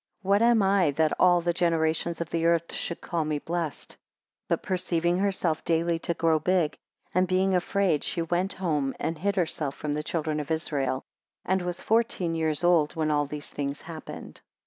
What am I, that all the generations of the earth should call me blessed? 23 But perceiving herself daily to grow big, and being afraid, she went home, and hid herself from the children of Israel; and was fourteen years old when all these things happened.